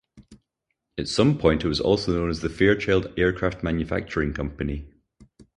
At some point, it was also known as the Fairchild Aircraft Manufacturing Company.